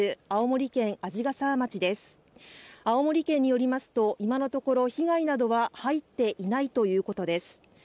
青森県によりますと今のところ被害などは入っていないということです。